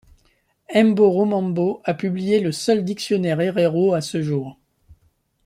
Embo Romambo a publié le seul dictionnaire héréro à ce jour.